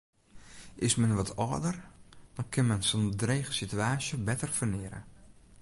Is men wat âlder, dan kin men sa'n drege sitewaasje better ferneare.